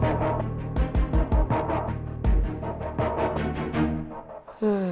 ketika ibu menemukan raina ibu menemukan raina